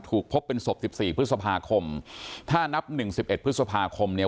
ถูกพบเป็นศพ๑๔พฤษภาคมถ้านับ๑๑พฤษภาคมเนี่ย